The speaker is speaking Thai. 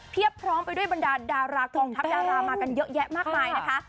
พร้อมไปด้วยบรรดาดารากองทัพดารามากันเยอะแยะมากมายนะคะ